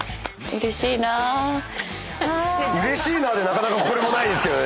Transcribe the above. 「嬉しいなぁ」でなかなかこれもないんですけどね。